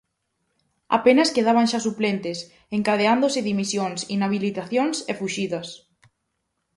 Apenas quedaban xa suplentes, encadeándose dimisións, inhabilitacións e fuxidas.